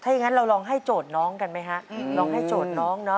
อย่างนั้นเราลองให้โจทย์น้องกันไหมฮะลองให้โจทย์น้องเนาะ